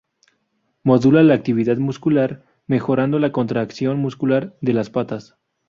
Modula la actividad muscular, mejorando la contracción muscular de las patas.